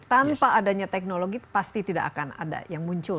tanpa adanya teknologi pasti tidak akan ada yang muncul